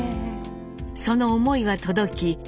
その思いは届き